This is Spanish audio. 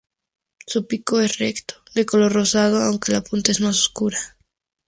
Su pico es recto, de color rosado aunque la punta es más oscura.